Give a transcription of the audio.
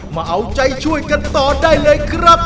มาเอาใจช่วยกันต่อได้เลยครับ